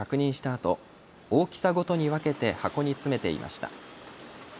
あと大きさごとに分けて箱に詰めていました。